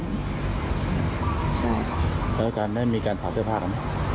ได้มีการหัดเสื้อผ้ากันมั้ย